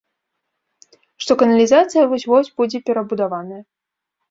Што каналізацыя вось-вось будзе перабудаваная.